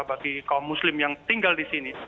kalau muslim yang tinggal di sini